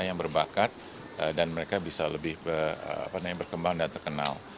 yang berbakat dan mereka bisa lebih berkembang dan terkenal